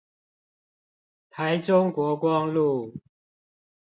台中國光路